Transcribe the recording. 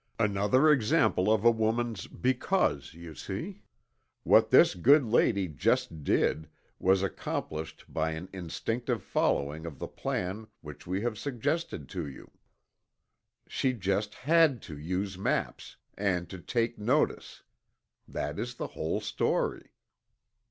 Another example of a woman's "because," you see. What this good lady "just did," was accomplished by an instinctive following of the plan which we have suggested to you. She "just had to" use maps and to "take notice." That is the whole story.